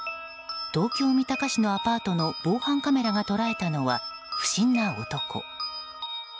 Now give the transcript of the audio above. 東京・三鷹市のアパートの防犯カメラが捉えたのは不審な男。